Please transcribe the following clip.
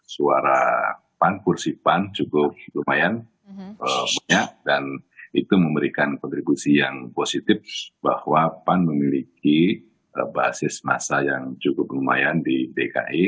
suara pan kursi pan cukup lumayan banyak dan itu memberikan kontribusi yang positif bahwa pan memiliki basis masa yang cukup lumayan di dki